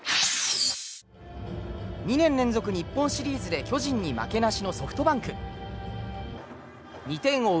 ２年連続で日本シリーズで巨人に負けなしのソフトバンク。２点を追う